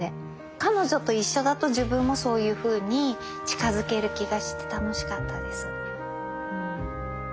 彼女と一緒だと自分もそういうふうに近づける気がして楽しかったです。